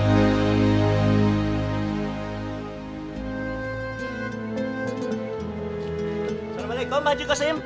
assalamualaikum pak joko sim